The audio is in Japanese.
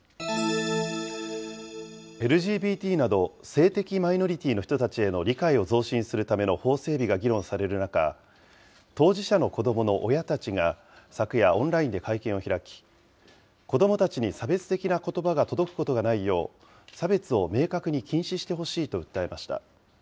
ＬＧＢＴなど性的マイノリティーの人たちへの理解を増進するための法整備が議論される中、当事者の子どもの親たちが昨夜、オンラインで会見を開き、子どもたちに差別的なことばが届くことがないよう、差別を明確に禁止してほしいと訴えました。